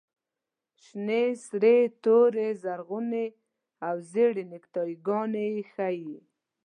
شنې، سرې، تورې، زرغونې او زېړې نیکټایي ګانې ښیي.